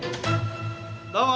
どうも！